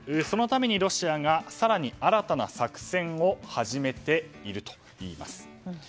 そのためにロシアが更に新たな作戦を始めているといいます。